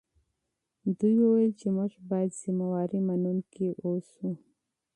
دوی وویل چې موږ باید مسوولیت منونکي اوسو.